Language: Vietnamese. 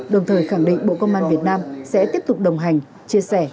đồng thời khẳng định bộ công an việt nam sẽ tiếp tục đồng hành chia sẻ